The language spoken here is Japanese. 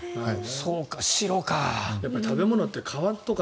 そうか、白か。